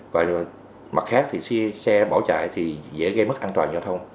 và mặt khác thì xe bỏ chạy thì dễ gây mất an toàn giao thông